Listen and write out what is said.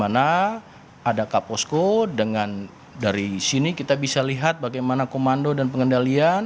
adalah operasi puri agung dua ribu dua puluh empat di mana ada kaposko dengan dari sini kita bisa lihat bagaimana komando dan pengendalian